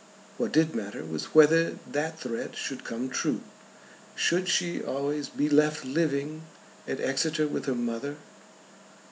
What did matter was whether that threat should come true. Should she always be left living at Exeter with her mother?